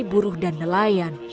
ada buruh dan nelayan